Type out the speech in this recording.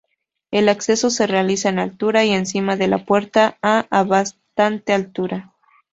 El acceso se realiza en altura, y encima de la puerta a bastante altura.